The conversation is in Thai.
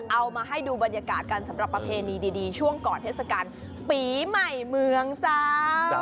เอามาให้ดูบรรยากาศกันสำหรับประเพณีดีช่วงก่อนเทศกาลปีใหม่เมืองเจ้า